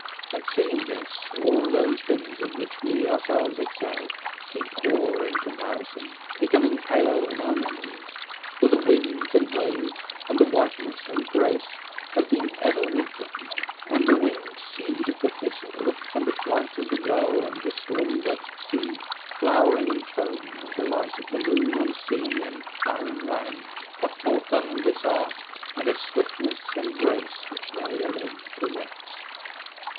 And, seeing this, all those things in which we ourselves excel seem poor in comparison, becoming pale in our memories. For the winds and waves, and the whiteness and grace, has been ever with them; and the winged seed of the thistle, and the flight of the gull, and the storm vexed sea, flowering in foam, and the light of the moon on sea and barren land, have taught them this art, and a swiftness and grace which they alone possess.